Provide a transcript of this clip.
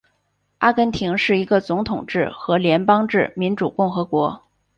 阿根廷是一个总统制和联邦制民主共和国。